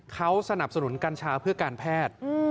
เขาสนับสนุนกัญชาเพื่อการแพทย์